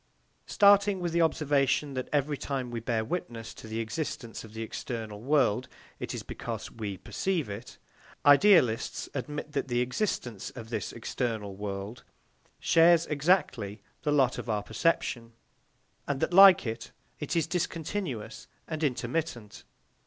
Starting with the observation that every time we bear witness to the existence of the external world, it is because we perceive it, idealists admit that the existence of this external world shares exactly the lot of our perception, and that like it it is discontinuous and intermittent.